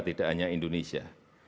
tidak hanya indonesia